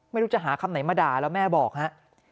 ไม่รู้จะหาคำไหนมาด่าแล้วแม่บอกฮะ